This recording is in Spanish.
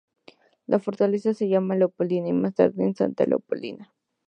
La fortaleza fue llamada Leopoldina y más tarde en Santa Leopoldina.